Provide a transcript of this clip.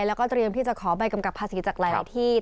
แล้วก็เตรียมที่จะขอใบกำกับภาษีจากหลายที่